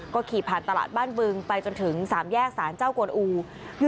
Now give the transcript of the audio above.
ก็ขี่ผ่านตลาดบ้านบึงไปจนถึง๓แยกสารเจ้ากวนอู